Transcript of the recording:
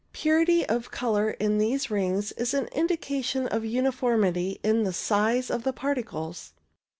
Purity of colour in 64 ALTO CLOUDS these rings is an indication of uniformity in the size of the particles.